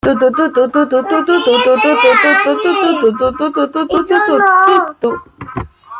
Ante la huida de los manifestantes, los británicos abrieron fuego.